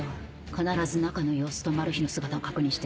必ず中の様子とマル被の姿を確認して。